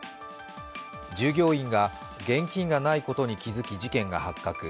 従業員が、現金がないことに気付き事件が発覚。